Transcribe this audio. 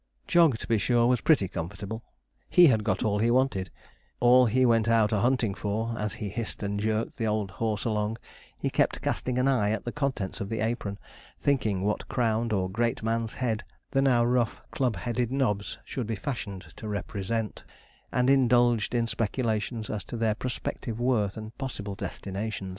Jog, to be sure, was pretty comfortable. He had got all he wanted all he went out a hunting for; and as he hissed and jerked the old horse along, he kept casting an eye at the contents of the apron, thinking what crowned, or great man's head, the now rough, club headed knobs should be fashioned to represent; and indulged in speculations as to their prospective worth and possible destination.